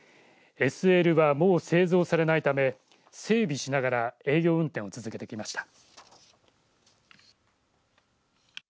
ＳＬは、もう製造されないため整備しながら営業運転を続けてきました。